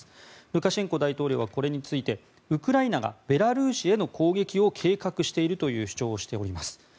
ルカシェンコ大統領はこれについてウクライナがベラルーシへの攻撃を計画しているという主張をしております。